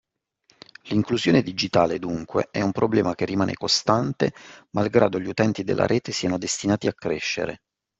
L’Inclusione Digitale dunque è un problema che rimane costante malgrado gli utenti della rete siano destinati a crescere